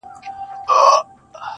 o داده پښـــــتانه اشـــــــنــــٰــا.